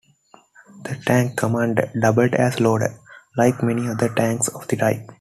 The tank commander doubled as loader, like many other tanks of the time.